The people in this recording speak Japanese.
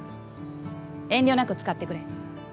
遠慮なく使ってくれ。